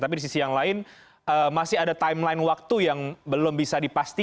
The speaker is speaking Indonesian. tapi di sisi yang lain masih ada timeline waktu yang belum bisa dipastikan